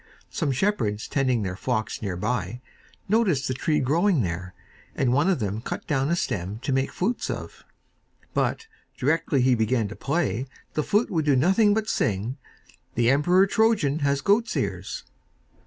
Some shepherds, tending their flocks near by, noticed the tree growing there, and one of them cut down a stem to make flutes of; but, directly he began to play, the flute would do nothing but sing: 'The Emperor Trojan has goat's ears.